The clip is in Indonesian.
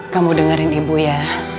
kamu dengerin ibu ya